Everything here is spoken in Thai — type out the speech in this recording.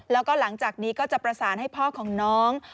แล้วก็หลังจากนี้ก็จะประสานให้พ่อของน้อง